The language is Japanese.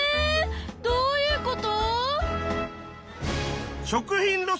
どういうこと？